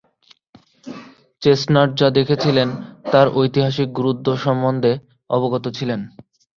Chestnut যা দেখেছিলেন তার ঐতিহাসিক গুরুত্ব সম্বন্ধে অবগত ছিলেন।